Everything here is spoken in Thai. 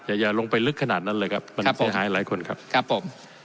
อย่าลงไปลึกขนาดนั้นเลยครับมันเสียหายหลายคนครับครับผม